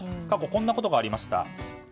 過去、こんなことがありました。